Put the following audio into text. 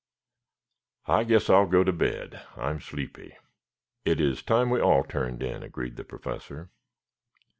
I guess I'll go to bed. I'm sleepy." "It is time we all turned in," agreed the Professor.